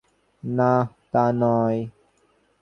না, তা নয়।